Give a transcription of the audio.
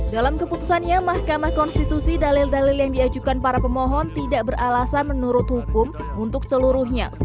dalam keputusannya mahkamah konstitusi dalil dalil yang diajukan para pemohon tidak beralasan menurut hukum untuk seluruhnya